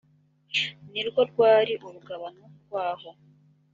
nirwo rwari urugabano rwoho.